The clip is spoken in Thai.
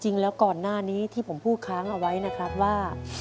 จริงแล้วก่อนหน้านี้ที่ผมพูดค้างเอาไว้นะครับว่า